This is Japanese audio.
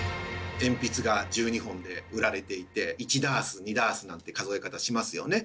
鉛筆が１２本で売られていて１ダース２ダースなんて数え方しますよね。